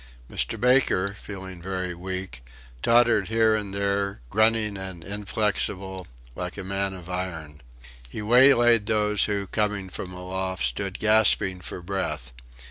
Mr. Baker, feeling very weak, tottered here and there, grunting and inflexible, like a man of iron. He waylaid those who, coming from aloft, stood gasping for breath.